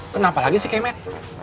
kenapa lagi si kemet